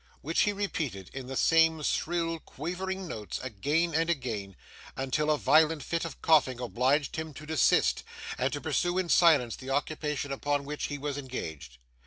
which he repeated, in the same shrill quavering notes, again and again, until a violent fit of coughing obliged him to desist, and to pursue in silence, the occupation upon which he was engaged.